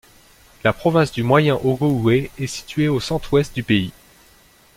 La province du Moyen-Ogooué est située au centre-ouest du pays.